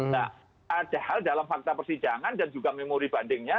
nah ada hal dalam fakta persidangan dan juga memori bandingnya